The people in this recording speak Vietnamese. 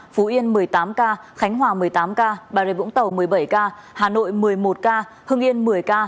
phú yên một mươi tám ca khánh hòa một mươi tám ca bà rịa vũng tàu một mươi bảy ca hà nội một mươi một ca hưng yên một mươi ca